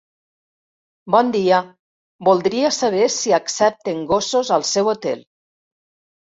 Bon dia, voldria saber si accepten gossos al seu hotel.